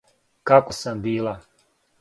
Ко сам била.